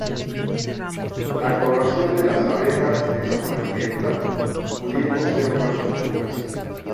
La coloración de las abejas es amarillenta, pudiendo ser más oscuras.